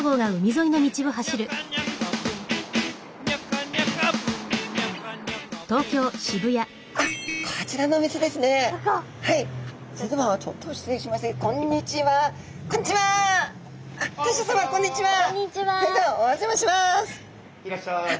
いらっしゃい。